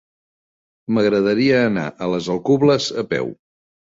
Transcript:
M'agradaria anar a les Alcubles a peu.